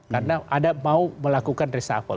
karena ada mau melakukan resafol